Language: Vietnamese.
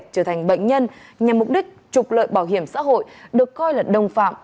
trở thành bệnh nhân nhằm mục đích trục lợi bảo hiểm xã hội được coi là đồng phạm